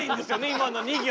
今の２行。